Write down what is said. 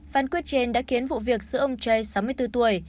phán quyết trên đã khiến vụ việc giữa ông chay sáu mươi bốn tuổi